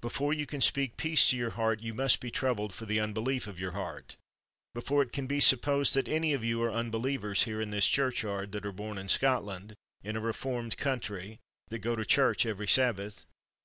Before you can speak peace to your heart, you must be troubled for the unbelief of your heart. But can it be supposed that any of you are unbelievers here in this churchyard, that are born in Scotland, in a reformed coun try, that go to church every Sabbath